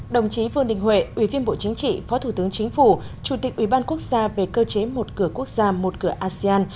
đồng chí vương đình huệ ủy viên bộ chính trị phó thủ tướng chính phủ chủ tịch ủy ban quốc gia về cơ chế một cửa quốc gia một cửa asean